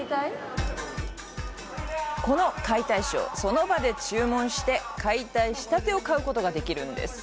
この解体ショー、その場で注文して解体したてを買うことができるんです！